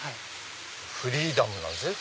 フリーダムなんですね。